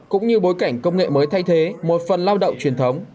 cũng như bối cảnh công nghệ mới thay thế một phần lao động truyền thống